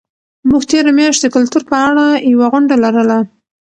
موږ تېره میاشت د کلتور په اړه یوه غونډه لرله.